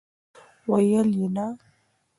ویل یې، نه!!!